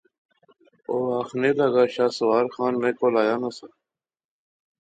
او آخنے لغا شاہ سوار خان میں کول آیا نہ سا